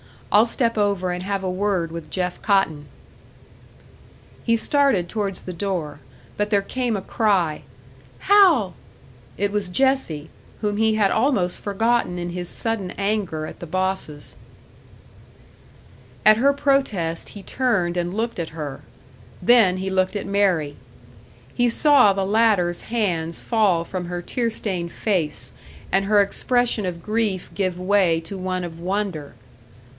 I'll step over and have a word with Jeff Cotton." He started towards the door; but there came a cry: "Hal!" It was Jessie, whom he had almost forgotten in his sudden anger at the bosses. At her protest he turned and looked at her; then he looked at Mary. He saw the latter's hands fall from her tear stained face, and her expression of grief give way to one of wonder.